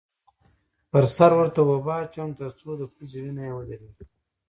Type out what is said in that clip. پر سر ورته اوبه اچوم؛ تر څو د پوزې وینه یې ودرېږې.